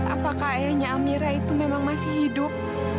apakah ayahnya amira itu memang masih hidup